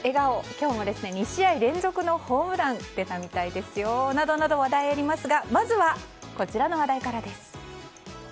今日も２試合連続のホームランが出たみたいですよ。などなど、話題がありますがまずは、こちらの話題からです。